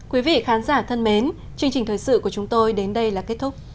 quý vị khán giả thân mến chương trình thời sự của chúng tôi đến đây là kết thúc